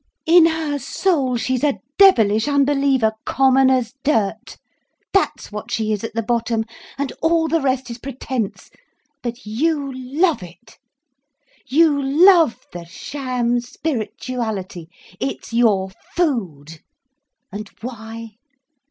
In her soul she's a devilish unbeliever, common as dirt. That's what she is at the bottom. And all the rest is pretence—but you love it. You love the sham spirituality, it's your food. And why?